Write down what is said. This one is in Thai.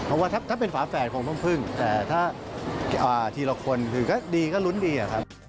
เพราะว่าถ้าเป็นฝาแฟนคงต้องพึ่งแต่ถ้าทีละคนก็ดีก็รุ้นดี